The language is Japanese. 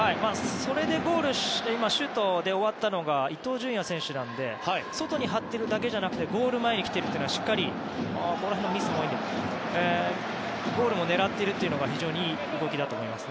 それでゴールしてシュートで終わったのが伊東純也選手なので外に張っているだけじゃなくてゴール前に来てゴールも狙っているというのが非常にいい動きだと思います。